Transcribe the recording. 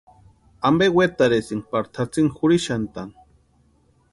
¿Ampe wetarhisïnki pari tʼatsïni jurhixantʼani?